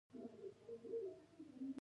تالابونه د افغانستان د صادراتو برخه ده.